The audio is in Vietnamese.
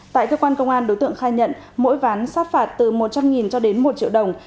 tại cơ quan công an đối tượng khai nhận mỗi ván sát phạt từ một trăm linh cho đến một triệu đồng